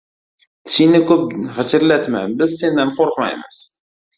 — Tishingni ko‘p g‘ijirlatma, biz sendan qo‘rqmaymiz!